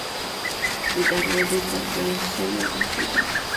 د دروازې تر درشل ورسیدل